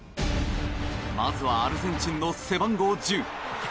まずはアルゼンチンの背番号１０。